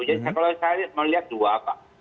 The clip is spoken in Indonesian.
jadi kalau saya melihat dua pak